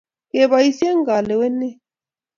Keboisie kalewenee.